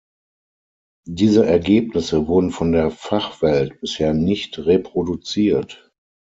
Diese Ergebnisse wurden von der Fachwelt bisher nicht reproduziert.